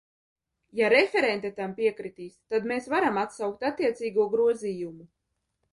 Ja referente tam piekritīs, tad mēs varam atsaukt attiecīgo grozījumu.